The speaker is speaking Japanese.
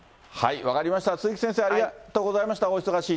分かりました、都築先生、ありがとうございました。